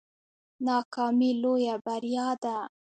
ناکامي لویه بریا ده